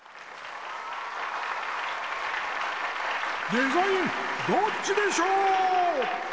「デザインどっちでショー」！